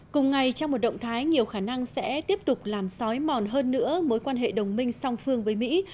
cùng ngày trong một động thái nhiều khả năng sẽ tiếp tục làm xói mòn hơn nữa mối quan hệ đồng minh song phương với mỹ